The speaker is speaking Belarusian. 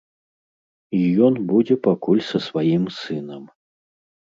І ён будзе пакуль са сваім сынам.